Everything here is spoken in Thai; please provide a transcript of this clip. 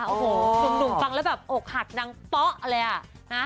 โอ้โหสุดหนุ่มฟังแล้วแบบอกหักนังป๊อ๊ะเลยอะ